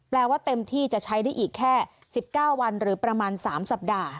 ว่าเต็มที่จะใช้ได้อีกแค่๑๙วันหรือประมาณ๓สัปดาห์